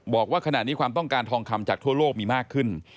บอกว่าขณะนี้ความต้องการทองคำจากทั่วโลกมีมากขึ้น